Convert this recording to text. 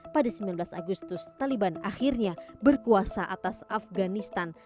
pada sembilan belas agustus taliban akhirnya berkuasa atas afganistan